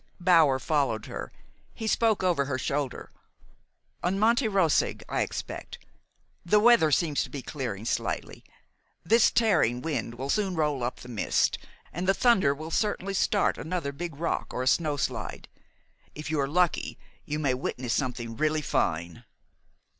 Bower followed her. He spoke over her shoulder. "On Monte Roseg, I expect. The weather seems to be clearing slightly. This tearing wind will soon roll up the mist, and the thunder will certainly start another big rock or a snowslide. If you are lucky, you may witness something really fine."